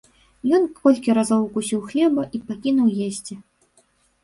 Ён колькі разоў укусіў хлеба і пакінуў есці.